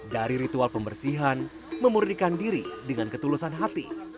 dari ritual pembersihan memurnikan diri dengan ketulusan hati